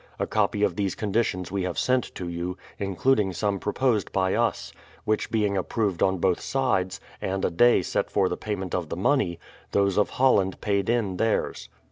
A copy of these conditions we have sent to you, includ ing some proposed bj'^ us ; which being approved on both sides, and a day set for the paj'ment of the money, those of Holland paid in theirs.